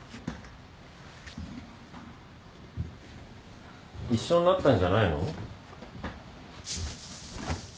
一緒になったんじゃないの？